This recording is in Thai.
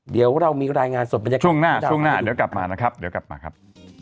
เดี๋ยวเรามีรายงานส่วนบรรยากาศช่วงหน้าเดี๋ยวกลับมานะครับ